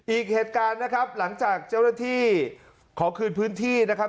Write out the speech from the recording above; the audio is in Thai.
อีกเหตุการณ์นะครับหลังจากเจ้าหน้าที่ขอคืนพื้นที่นะครับ